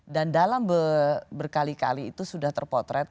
dan dalam berkali kali itu sudah terpotret